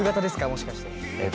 もしかして。